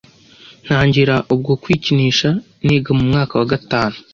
Ntangira ubwo kwikinisha niga mu mwaka wa gatanu